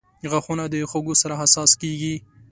• غاښونه د خوږو سره حساس کیږي.